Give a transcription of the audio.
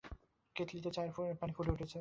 কেতলিতে চায়ের পানি ফুটে উঠেছে।